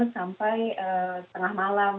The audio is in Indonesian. sampai tengah malam